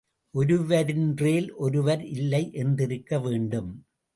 ஒருவரின்றேல் ஒருவர் இல்லை என்றிருக்க வேண்டும்.